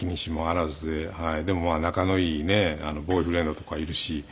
でもまあ仲のいいボーイフレンドとかいるし。